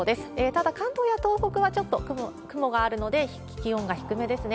ただ、関東や東北はちょっと雲があるので、気温が低めですね。